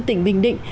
tỉnh bình định